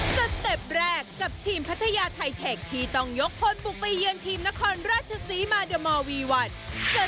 เต็ปแรกกับทีมพัทยาไทเทคที่ต้องยกพลบุกไปเยือนทีมนครราชศรีมาเดอร์มอร์วีวัน